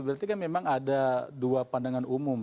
berarti kan memang ada dua pandangan umum